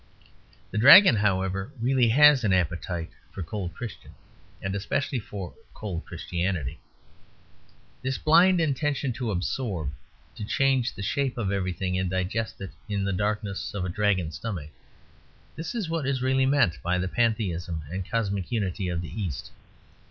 The Dragon, however, really has an appetite for cold Christian and especially for cold Christianity. This blind intention to absorb, to change the shape of everything and digest it in the darkness of a dragon's stomach; this is what is really meant by the Pantheism and Cosmic Unity of the East.